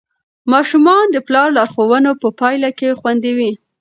ماشومان د پلار لارښوونو په پایله کې خوندي وي.